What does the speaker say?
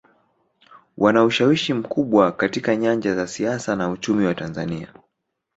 Wana ushawishi mkubwa katika nyanja za siasa na uchumi wa Tanzania